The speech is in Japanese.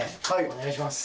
お願いします。